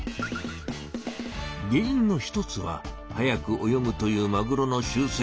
原いんの一つは速く泳ぐというマグロの習せい。